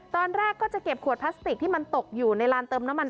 ตอนแรกก็จะเก็บขวดพลาสติกที่มันตกอยู่ในลานเติมน้ำมัน